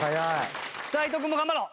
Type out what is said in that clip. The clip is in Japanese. さあ伊藤君も頑張ろう！